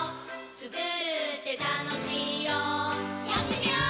つくるってたのしいよやってみよー！